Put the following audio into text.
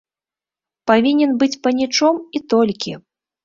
Павінен быць панічом, і толькі.